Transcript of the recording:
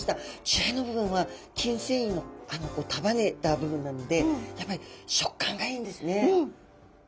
血合いの部分は筋繊維を束ねた部分なのでやっぱり食感がいいんですね。